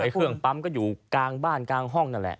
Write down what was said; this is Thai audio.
เครื่องปั๊มก็อยู่กลางบ้านกลางห้องนั่นแหละ